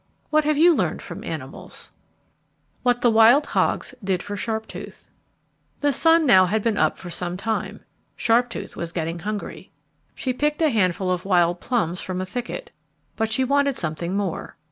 What have you learned from animals? What the Wild Hogs Did for Sharptooth The sun had now been up for some time. Sharptooth was getting hungry. She picked a handful of wild plums from the thicket, but she wanted something more.